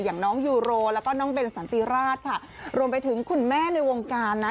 อย่างน้องยูโรแล้วก็น้องเบนสันติราชค่ะรวมไปถึงคุณแม่ในวงการนะ